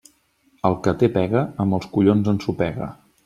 El que té pega, amb els collons ensopega.